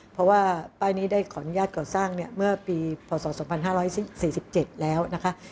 เพราะว่าป้ายนี้ได้ขออนุญาตก่อสร้างเมื่อปีพศ๒๕๔๗แล้วนะคะ